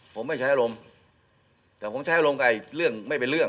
ผมไม่ใช้อารมณ์แต่ผมใช้อารมณ์กับเรื่องไม่เป็นเรื่อง